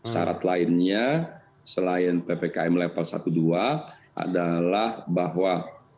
syarat lainnya selain ppkm level satu dua adalah bahwa